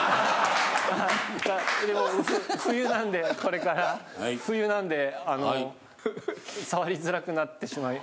冬なんでこれから冬なんで触りづらくなってしまいます。